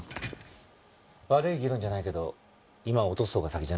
悪い議論じゃないけど今は落とすほうが先じゃない？